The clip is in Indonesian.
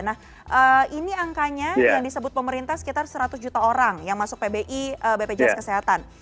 nah ini angkanya yang disebut pemerintah sekitar seratus juta orang yang masuk pbi bpjs kesehatan